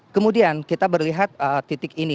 kemudian kita berlihat titik ini